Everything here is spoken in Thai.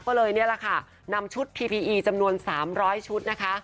ก็เลยนี่แหละค่ะนำชุดพีพีอีจำนวน๓๐๐ชุดนะคะ